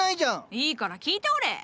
いいから聞いておれ。